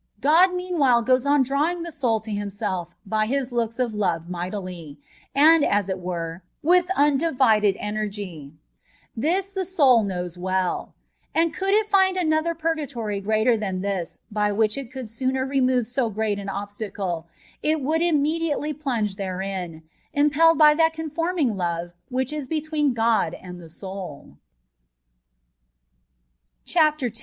God meanwhile goes on drawing the soul to Himself by His looks of love mightily, and, as it were, with undivided energy : this the soul knows well ; and could it 'fìnd another purgatory greater than this by which it Could sooner remove so great an obstacle, it would immediately plunge therein, impelled by that con forming love which is between God and the souL CHAPTER X.